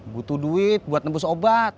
butuh duit buat nembus obat